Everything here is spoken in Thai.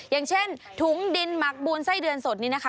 อย่างเช่นถุงดินหมักบูนไส้เดือนสดนี้นะคะ